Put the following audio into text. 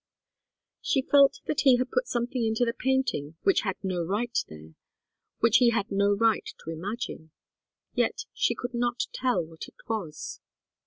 She felt that he had put something into the painting which had no right there, which he had no right to imagine yet she could not tell what it was.